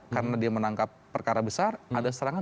karena dia menangkap perkara besar ada serangan